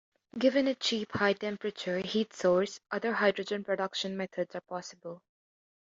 Given a cheap, high-temperature heat source, other hydrogen production methods are possible.